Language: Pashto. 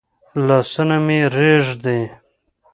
لاسونه مي رېږدي ؟